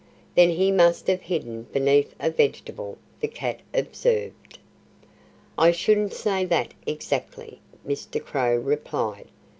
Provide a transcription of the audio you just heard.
"Then he must have hidden beneath a vegetable," the cat observed. "I shouldn't say that, exactly," Mr. Crow replied.